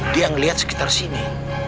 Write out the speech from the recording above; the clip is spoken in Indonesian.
dia ngeliat sekitar sini